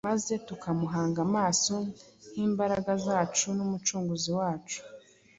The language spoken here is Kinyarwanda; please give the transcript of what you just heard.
maze tukamuhanga amaso nk’imbaraga zacu n’Umucunguzi wacu.